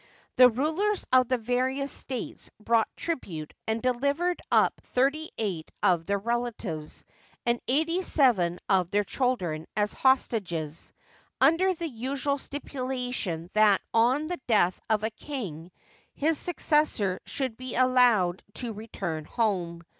The rulers of the various states brought tribute, and delivered up thirty eight of their relatives and eighty seven of their children as hostages, under the usual stipulation that on the death of a king his successor should be allowed to return home.